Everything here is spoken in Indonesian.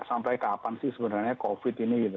sampai kapan sih sebenarnya covid ini gitu